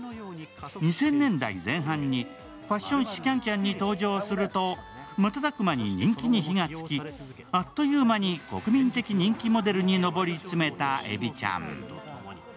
２０００年代前半にファッション誌「ＣａｎＣａｍ」に登場すると瞬く間に人気に火がつき、あっという間に国民的人気モデルに上り詰めたエビちゃん。